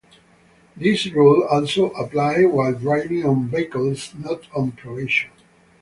This rule also apply while driving on vehicles not on probation.